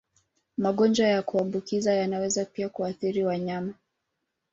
Magonjwa ya kuambukiza yanaweza pia kuathiri wanyama.